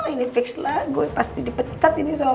ini fix lagu pasti dipecat ini sama